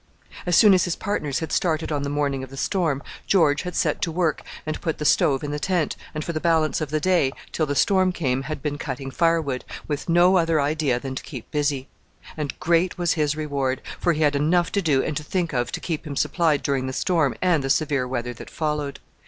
As soon as his partners had started on the morning of the storm, George had set to work and put up the stove in the tent, and for the balance of the day, till the storm came, had been cutting firewood with no other idea than to keep busy. And great was his reward! for he had enough to do and to think of to keep him supplied during the storm and the severe weather that followed.